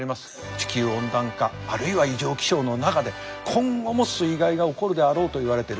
地球温暖化あるいは異常気象の中で今後も水害が起こるであろうといわれてる。